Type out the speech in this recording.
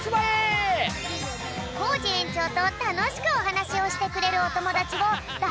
コージえんちょうとたのしくおはなしをしてくれるおともだちをだ